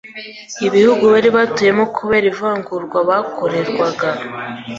ibihugu bari batuyemo kubera ivangura bakorerwaga